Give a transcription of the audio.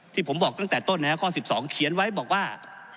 ที่ผมบอกตั้งแต่ต้นเนี้ยข้อสิบสองเขียนไว้บอกว่า